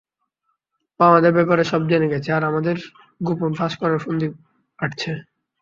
ও আমাদের ব্যাপারে সব জেনে গেছে আর আমাদের গোমর ফাঁস করার ফন্দি আঁটছে।